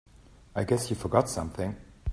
I guess you forgot something.